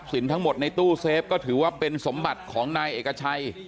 ทั้งหมดในตู้เซฟก็ถือว่าเป็นสมบัติของนายเอกชัย